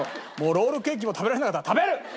ロールケーキも食べられなかったから食べる！